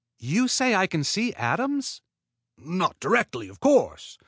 "You say I can see atoms?" "Not directly, of course.